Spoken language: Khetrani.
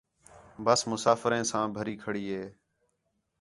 بس مُسافریں ساں بھری کھڑی ہی